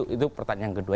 itu pertanyaan kedua